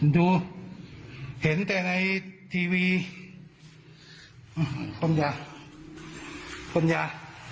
ดูเห็นแต่ในทีวีข้มยาข้มยา